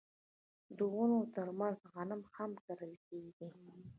د ونو ترمنځ غنم هم کرل کیږي.